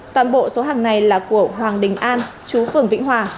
toàn bộ số hàng này là của hoàng đình an chú phường vĩnh hòa